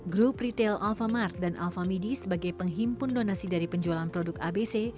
grup retail alphamart dan alfamidi sebagai penghimpun donasi dari penjualan produk abc